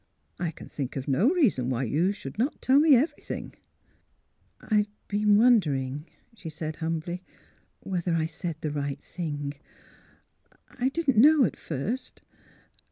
I can think of no reason why you should not tell me — everything. ''" I've been wondering," she said, humbly, '' whether I said the right thing. I didn't know, at first.